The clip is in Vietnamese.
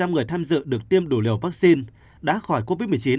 một trăm linh người tham dự được tiêm đủ liều vaccine đã khỏi covid một mươi chín